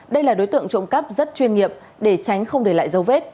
đây là đối tượng trộm cắp rất chuyên nghiệp để tránh không để lại dấu vết